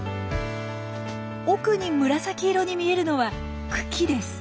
奥に紫色に見えるのは茎です。